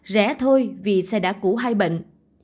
rẻ thôi vì xe đã cũ hai bệnh